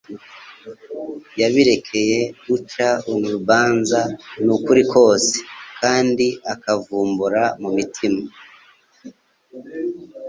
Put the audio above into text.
Yabirekcye uca unlbanza n'ukuri kose, kandi akavumbura mu mitima,